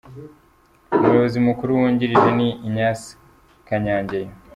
Umuyobozi mukuru wungirije ni Agnès Kanyangeyo.